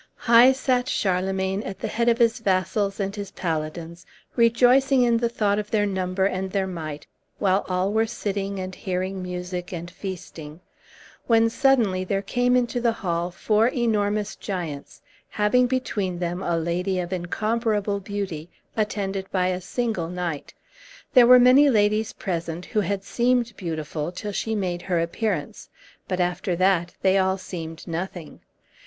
High sat Charlemagne at the head of his vassals and his paladins, rejoicing in the thought of their number and their might, while all were sitting and hearing music, and feasting, when suddenly there came into the hall four enormous giants, having between them a lady of incomparable beauty, attended by a single knight. There were many ladies present who had seemed beautiful till she made her appearance, but after that they all seemed nothing.